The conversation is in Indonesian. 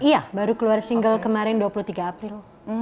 iya baru keluar single kemarin dua puluh tiga april